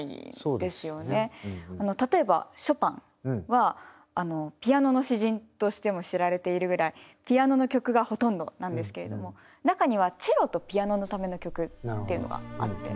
例えばショパンはピアノの詩人としても知られているぐらいピアノの曲がほとんどなんですけれども中にはチェロとピアノのための曲っていうのがあって。